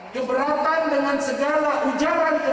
lima keberatan dengan berita tidak benar